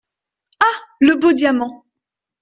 Ah ! le beau diamant !